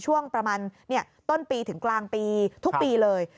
ช่วงประมาณต้นปีถึงกลางปีทุกปีเลย